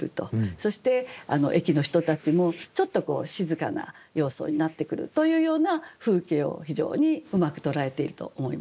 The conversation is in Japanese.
そして駅の人たちもちょっと静かな様相になってくるというような風景を非常にうまく捉えていると思いました。